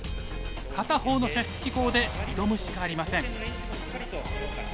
片方の射出機構で挑むしかありません。